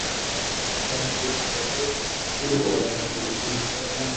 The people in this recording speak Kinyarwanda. akanatera imbago z'urugabaniro rw'isi